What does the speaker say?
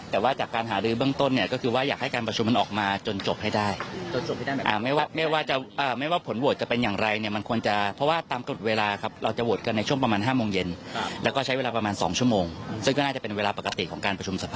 ถ้าสอบว่าให้เรื่องก็คือว่าทางเก้าไกรคิดว่าน่าจะโหวตนะ